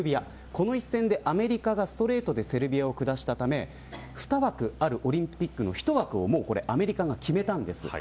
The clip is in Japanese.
この一戦でアメリカがストレートでセルビアを下したため２枠あるオリンピックの１枠をアメリカが決めました。